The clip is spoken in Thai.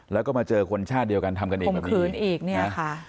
แล้วก็มาเจอคนชาติเดียวกันทำกันอีกแบบนี้